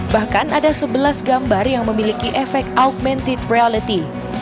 bahkan ada sebelas gambar yang memiliki efek augmented reality